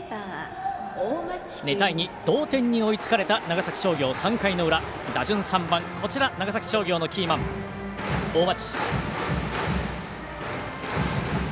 ２対２同点に追いつかれた長崎商業３回の裏、打順３番長崎商業のキーマン、大町。